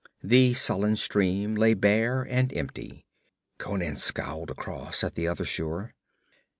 The sullen stream lay bare and empty. Conan scowled across at the other shore.